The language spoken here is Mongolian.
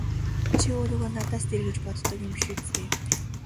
Чи өөрийгөө надаас дээр гэж боддог юм биш биз дээ!